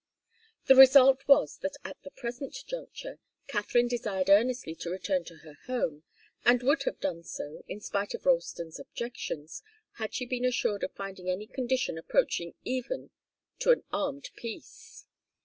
The result was that at the present juncture Katharine desired earnestly to return to her home, and would have done so in spite of Ralston's objections, had she been assured of finding any condition approaching even to an armed peace.